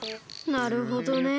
なるほど。